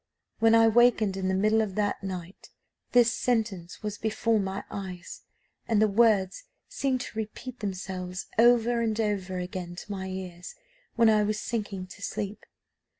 When I wakened in the middle of that night, this sentence was before my eyes, and the words seemed to repeat themselves over and over again to my ears when I was sinking to sleep.